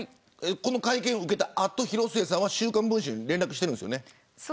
この会見を受けた後広末さんは週刊文春に連絡しているんですよね。